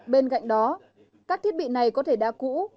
bên cạnh đó các thiết bị này có thể đã cũ